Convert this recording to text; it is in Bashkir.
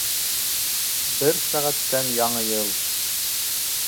Бер сәғәттән Яңы йыл!